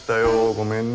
ごめんね。